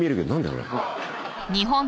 あれ。